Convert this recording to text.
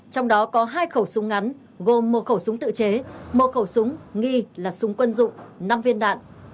trong đó có hai khẩu súng ngắn gồm một khẩu súng tự chế một khẩu súng nghi là súng quân dụng năm viên đạn